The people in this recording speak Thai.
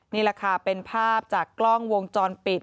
นี่แหละค่ะเป็นภาพจากกล้องวงจรปิด